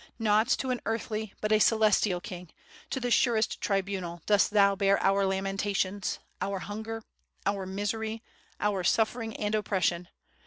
not to an earthly, but a celestial King, to the surest tribunal, dost thou bear our lamentations, our hunger, our misery, our suffering and op pression.